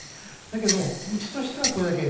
だけど、うちとしてはこれだけ。